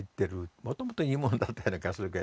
もともといいものだったような気がするけれども。